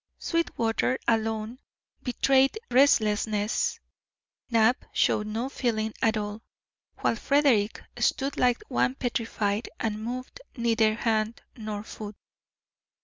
Sweetwater alone betrayed restlessness, Knapp showed no feeling at all, while Frederick stood like one petrified, and moved neither hand nor foot.